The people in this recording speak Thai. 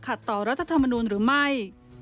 ต่อรัฐธรรมนูลหรือไม่